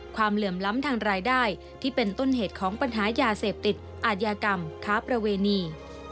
เหลื่อมล้ำทางรายได้ที่เป็นต้นเหตุของปัญหายาเสพติดอาทยากรรมค้าประเวณี